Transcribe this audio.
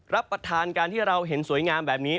รับประทานการที่เราเห็นสวยงามแบบนี้